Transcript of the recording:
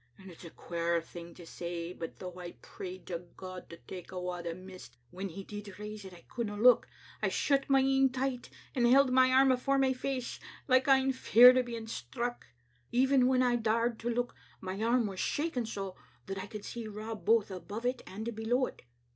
It's a queer thing to say, but though I prayed to God to take awa the mist, when He did raise it Icouldna look. I shut my een tight, and held my arm afore my face, like ane feared o' being struck. Even when I daured to look, my arm was shaking so that I could see Rob both above it and below it.